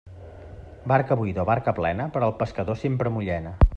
Barca buida o barca plena, per al pescador sempre mullena.